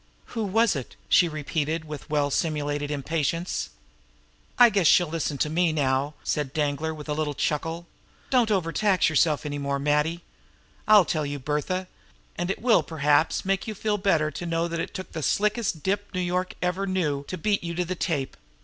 "Who was it?" she repeated with well simulated impatience. "I guess she'll listen to me now," said Danglar, with a little chuckle. "Don't over tax yourself any more, Matty. I'll tell you, Bertha; and it will perhaps make you feel better to know it took the slickest dip New York ever knew to beat you to the tape.